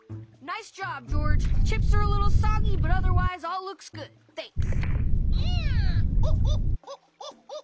「イヤホホッホッホッホッ」。